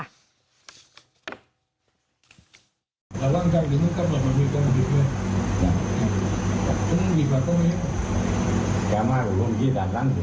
คุยกับตำรวจเนี่ยคุยกับตำรวจเนี่ยคุยกับตำรวจเนี่ย